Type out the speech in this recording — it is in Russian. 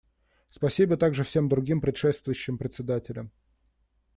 Спасибо также всем другим предшествующим председателям.